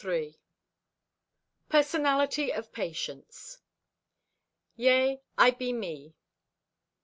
PERSONALITY OF PATIENCE "Yea, I be me."